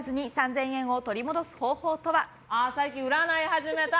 最近、占い始めた。